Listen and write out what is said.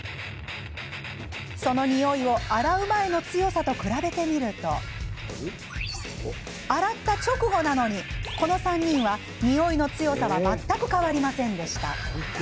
そのにおいを洗う前の強さと比べてみると洗った直後なのに、この３人はにおいの強さは全く変わりませんでした。